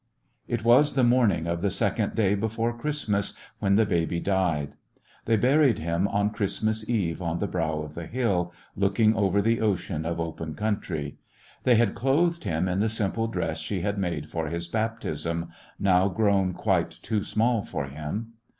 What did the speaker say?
It was the morning of the second day before Christmas when the baby died. They buried him on Christmas Eve on the brow of the hill, looking over the ocean of open country. They had clothed him in the simple dress she had made for his Baptism, now grown quite too small for him.